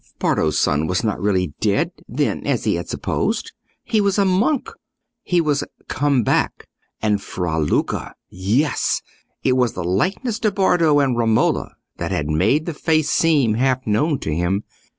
Bardo's son was not really dead, then, as he had supposed: he was a monk; he was "come back:" and Fra Luca—yes! it was the likeness to Bardo and Romola that had made the face seem half known to him.